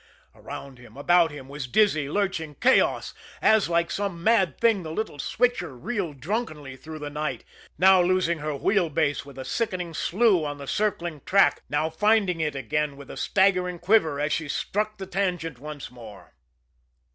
Around him, about him, was dizzy, lurching chaos, as, like some mad thing, the little switcher reeled drunkenly through the night now losing her wheel base with a sickening slew on the circling track, now finding it again with a staggering quiver as she struck the tangent once more.